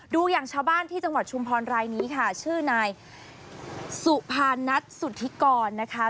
ดูอย่างชาวบ้านที่จังหวัดชุมพรรายนี้ค่ะชื่อนายสุภานัทสุธิกรนะคะ